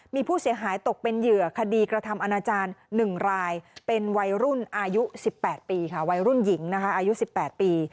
มีผู้เสียหายตกเป็นเหยื่อคดีกระทำอาณาจารย์หนึ่งรายเป็นวัยรุ่นอายุ๑๘ปี